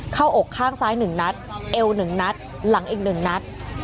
เข้าอกข้างซ้ายหนึ่งนัดเอวหนึ่งนัดหลังอีกหนึ่งนัด